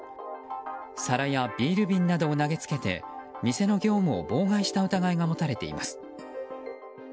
皿やビール瓶などを投げつけて店の業務を妨害した疑いが持たれています。